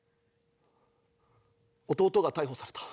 弟が逮捕された。